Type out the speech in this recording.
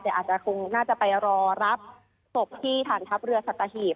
แต่อาจจะคงน่าจะไปรอรับศพที่ฐานทัพเรือสัตหีบ